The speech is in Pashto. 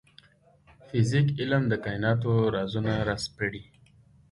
فزیک علم د کایناتو رازونه راسپړي